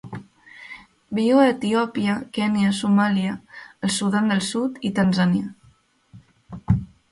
Viu a Etiòpia, Kenya, Somàlia, el Sudan del Sud i Tanzània.